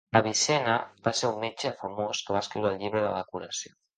Avicenna va ser un metge famós que va escriure el Llibre de la curació.